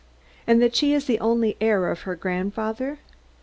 "And that she is the only heir of her grandfather?"